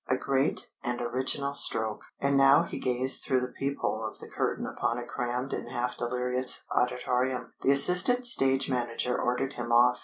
A great and original stroke! And now he gazed through the peep hole of the curtain upon a crammed and half delirious auditorium. The assistant stage manager ordered him off.